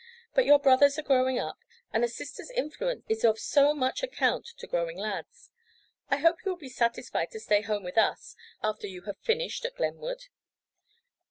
But your brothers are growing up, and a sister's influence is of so much account to growing lads. I hope you will be satisfied to stay home with us, after you have finished at Glenwood."